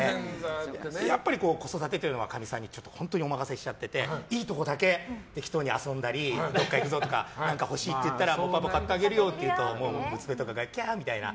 やっぱり子育てというのはかみさんにお任せしちゃってていいとこだけ、適当に遊んだりどこか行くぞとか欲しいって言ったらパパが買ってあげるよってもう、娘とかがキャー！みたいな。